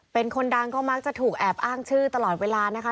เป็นคนดังก็มักจะถูกแอบอ้างชื่อตลอดเวลานะคะ